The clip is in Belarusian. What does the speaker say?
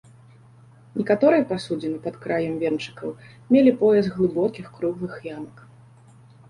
Некаторыя пасудзіны пад краем венчыкаў мелі пояс глыбокіх круглых ямак.